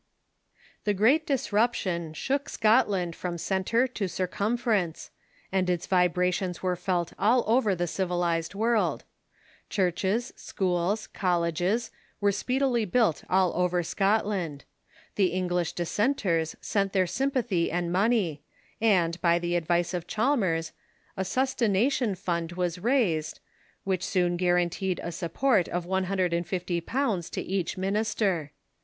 The Great Disruption shook Scotland from centre to cir cumference, and its vibrations were felt all over the civilized world. Churches, schools, colleges, were speedily built all over Scotland ; the English dissenters sent their sym pathy and money, and, by the advice of Chalmers, a Sustenta LEARNING IN THE KOMAN CATHOLIC CHURCH 383 tion Fund was raised, which soon guaranteed a support of one hundred and fifty pounds to each minister.